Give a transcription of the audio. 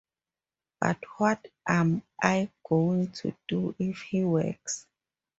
But what am I going to do if he works?